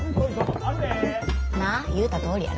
なあ言うたとおりやろ？